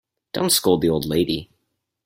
Don't scold the old lady.